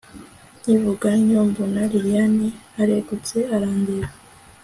nkivuga ntyo mbona lilian aregutse arandeba